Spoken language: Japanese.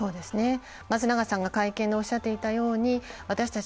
松永さんが会見でおっしゃっていたように私たち